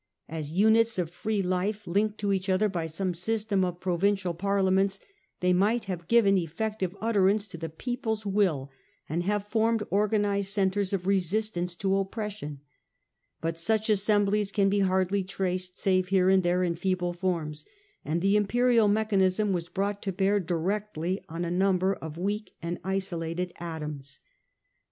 As units of free life, linked to each other by some system of provincial parliaments, they might have given effective utterance to the people's will, and have formed organized centres of resistance to oppression, but such assemblies can be hardly traced, save here and there in feeble forms, and the imperial mechanism was brought to bear directly on a number of weak and isolated atoms.